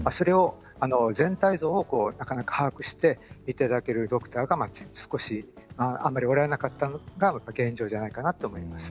全体像を把握して見ていただけるドクターがあまり、おられなかったのが現状じゃないかなと思います。